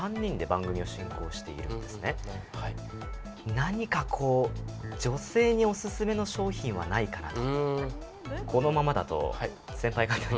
何か女性にオススメの商品はないかと。